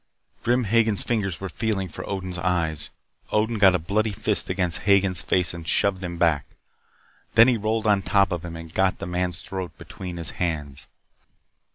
Grim Hagen's fingers were feeling for Odin's eyes. Odin got a bloody fist against Hagen's face and shoved him back. Then he rolled on top of him and got the man's throat between his hands.